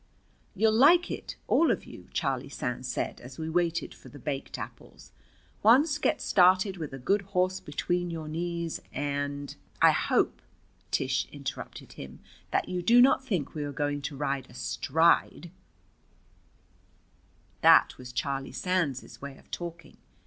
"You'll like it, all of you," Charlie Sands said as we waited for the baked apples. "Once get started with a good horse between your knees, and " "I hope," Tish interrupted him, "that you do not think we are going to ride astride!" "I'm darned sure of it." That was Charlie Sands's way of talking.